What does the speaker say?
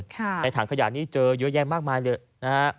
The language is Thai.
ในถังขยะนี้เจอเยอะแยะมากมายเลยนะฮะ